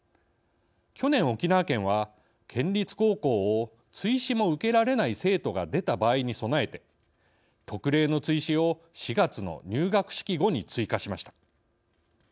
去年、沖縄県は県立高校を追試も受けられない生徒が出た場合に備えて特例の追試を４月の入学式後に追加しました。